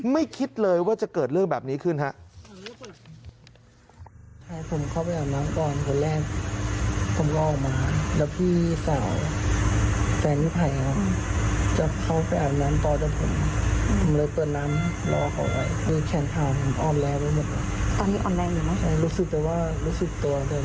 ไม่คิดเลยว่าจะเกิดเรื่องแบบนี้ขึ้นครับ